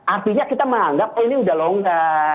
artinya kita menganggap ini sudah longgar